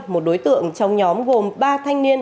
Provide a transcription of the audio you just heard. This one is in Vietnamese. một đối tượng trong nhóm gồm ba thanh niên